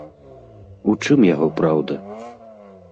У чым яго праўда?